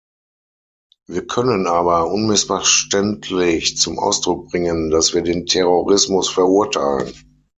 Wir können aber unmissverständlich zum Ausdruck bringen, dass wir den Terrorismus verurteilen.